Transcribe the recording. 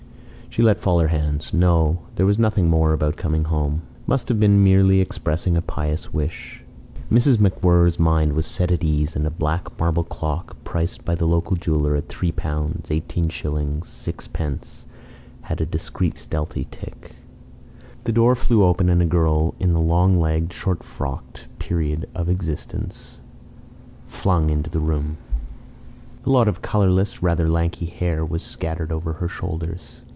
..." She let fall her hands. No: there was nothing more about coming home. Must have been merely expressing a pious wish. Mrs. MacWhirr's mind was set at ease, and a black marble clock, priced by the local jeweller at 3L. 18s. 6d., had a discreet stealthy tick. The door flew open, and a girl in the long legged, short frocked period of existence, flung into the room. A lot of colourless, rather lanky hair was scattered over her shoulders.